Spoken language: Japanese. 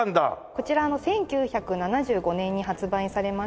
こちら１９７５年に発売されまして。